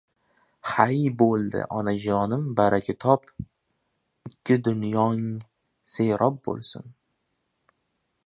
— Hay… bo‘ldi, onajonim, baraka top, ikki dunyong serob bo‘lsin.